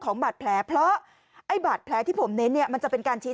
บาดแผลเพราะไอ้บาดแผลที่ผมเน้นเนี่ยมันจะเป็นการชี้